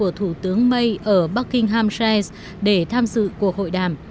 ông đã đến thăm thủ tướng may ở buckinghamshire để tham dự cuộc hội đàm